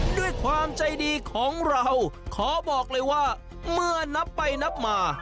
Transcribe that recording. ด้วยความใจดีของเราขอบอกเลยว่าเมื่อนับไปนับมา